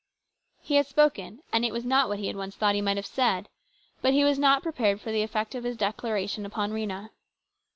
He had spoken, and it was not what he had once thought he might have said. But he was not prepared for the effect of his declaration upon Rhena.